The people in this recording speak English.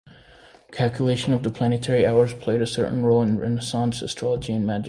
Calculation of the planetary hours played a certain role in Renaissance astrology and magic.